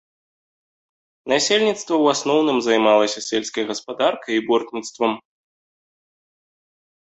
Насельніцтва ў асноўным займалася сельскай гаспадаркай і бортніцтвам.